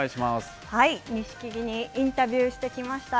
錦木にインタビューしてきました。